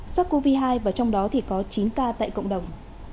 sắc covid hai và trong đó có chín ca tại cộng đồng